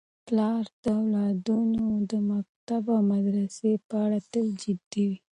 پلار د اولادونو د مکتب او مدرسې په اړه تل جدي وي.